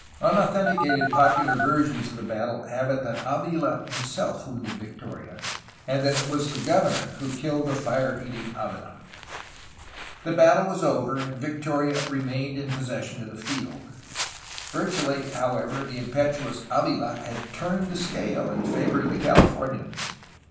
Unauthenticated popular versions of the battle have it that Avila himself wounded Victoria, and that it was the governor who killed the fire eating Avila. The battle was over, and Victoria remained in possession of the field. Virtually, however, the impetuous Avila had turned the scale in favor of the Californians.